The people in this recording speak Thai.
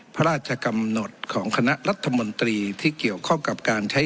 พระราชกำหนดของคณะรัฐมนตรีที่เกี่ยวข้องกับการใช้